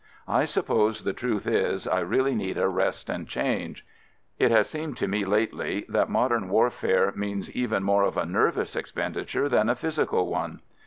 I suppose the truth is, I really need a rest and change. It has 128 AMERICAN AMBULANCE seemed to me lately that modern warfare means even more of a nervous expendi ture than a physical one.